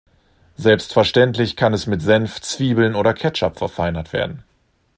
Selbstverständlich kann es mit Senf, Zwiebeln oder Ketchup verfeinert werden.